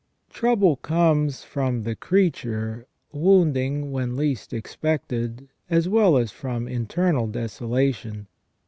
Trouble comes from the crea ture, wounding when least expected, as well as from internal deso lation.